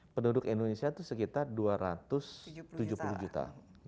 penduduk indonesia itu sekitar dua ratus tujuh puluh juta